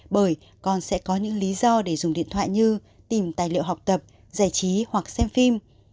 bởi con sẽ có những lý do để dùng điện thoại như tìm tài liệu học tập giải trí hoặc xem phim